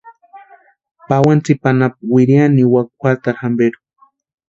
Pawani tsipa anapu wiriani niwaka juatarhu jamperu.